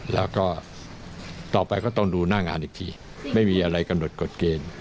แล้วก็ต่อไปก็ต้องดูหน้างานอีกทีไม่มีอะไรกำหนดกฎเกณฑ์